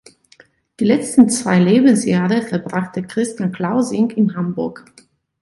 Die letzten zwei Lebensjahre verbrachte Christian Klausing in Hamburg.